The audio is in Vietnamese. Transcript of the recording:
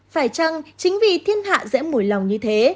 phải chăng chính vì thiên hạ dễ mùi lòng như thế